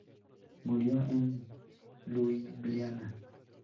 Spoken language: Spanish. Murió en Liubliana.